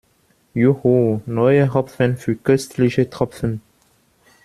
Juhu, neuer Hopfen für köstliche Tropfen!